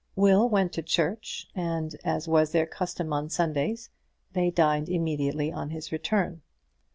Will went to church, and, as was their custom on Sundays, they dined immediately on his return.